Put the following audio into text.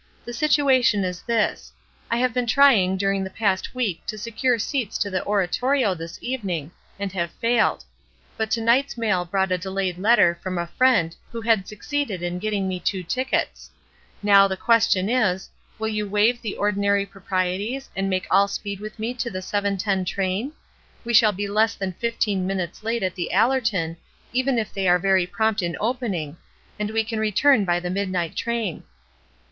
The situation is this: I have been tr3dng during the past week to secure seats for the Oratorio this evening, and have failed. But to night's mail brought a delayed letter from a friend who had suc ceeded in getting me two tickets. Now, the question is: Will you waive the ordinary pro prieties and make all speed with me to the 7.10 train? We shall be less than fifteen minutes late at The Allerton, even if they are very prompt in opening, and we can return by the midnight train."